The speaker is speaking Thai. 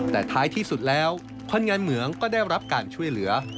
แต่ท้ายที่สุดแล้วคนงานเหมืองก็ได้รับการช่วยเหลือ